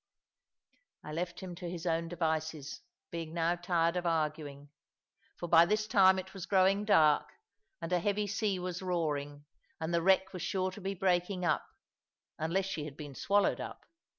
I left him to his own devices, being now tired of arguing. For by this time it was growing dark; and a heavy sea was roaring; and the wreck was sure to be breaking up, unless she had been swallowed up.